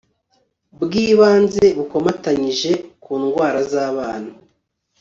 bwi banze bukomatanyije ku ndwara z'abana